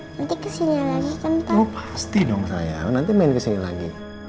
nanti ke sini lagi kentang